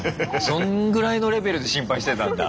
そんぐらいのレベルで心配してたんだ。